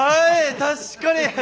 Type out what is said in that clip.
確かに。